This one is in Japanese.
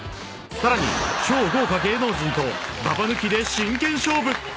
［さらに超豪華芸能人とババ抜きで真剣勝負！］